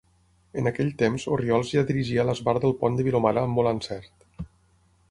En aquell temps Orriols ja dirigia l'Esbart del Pont de Vilomara amb molt encert.